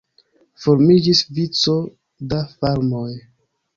Formiĝis vico da farmoj.